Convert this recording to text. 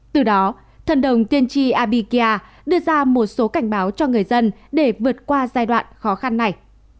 từ đó thân đồng tiên tri abikia đưa ra một số cảnh báo cho người dân để vượt qua giai đoạn khó khăn này